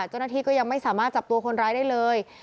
เจ้าหน้าที่ก็ยังไม่สามารถจับตัวคนร้ายได้เลย